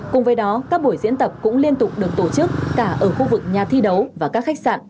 cùng với đó các buổi diễn tập cũng liên tục được tổ chức cả ở khu vực nhà thi đấu và các khách sạn